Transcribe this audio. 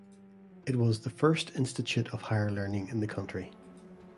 It was the first institute of higher learning in the country.